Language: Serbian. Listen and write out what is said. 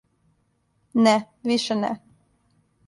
Не, више не.